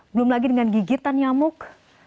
belum lagi dengan gigitan nyamuk